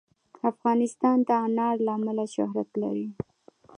افغانستان د انار له امله شهرت لري.